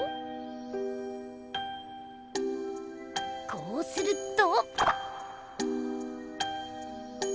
こうすると。